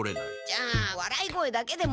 じゃあわらい声だけでも！